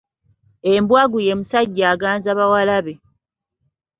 Embwagu ye musajja aganza bawala be.